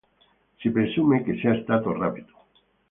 Si presume che sia stato rapito.